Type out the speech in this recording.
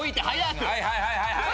はいはいはいはい。